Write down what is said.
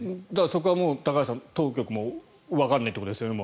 そこはもう高橋さん当局もわからないということですね。